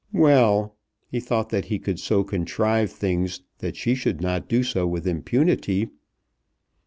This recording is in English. Well; he thought that he could so contrive things that she should not do so with impunity.